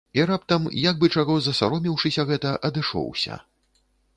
І раптам, як бы чаго засаромеўшыся гэта, адышоўся.